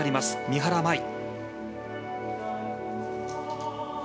三原舞依。